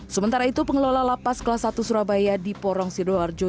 sementara itu pengelola lapas kelas satu surabaya di porong sidoarjo